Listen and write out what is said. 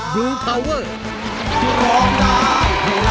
คุณเจอกันเหรอ